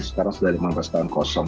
sekarang sudah lima belas tahun kosong